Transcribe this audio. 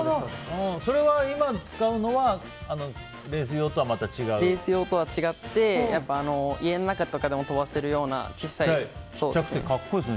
それは今、使うのはレース用とはレース用とは違って家の中とかでも飛ばせるような小さいものです。